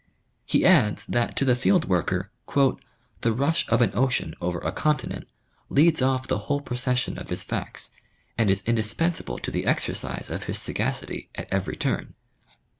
He adds, that to the field worker, " The rush of an ocean over a continent leads off the whole procession of his facts, and is indispensable to the exercise of his sagacity at every turn" (p.